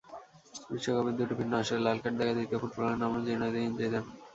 বিশ্বকাপের দুটি ভিন্ন আসরে লালকার্ড দেখা দ্বিতীয় ফুটবলারের নামও জিনেদিন জিদান।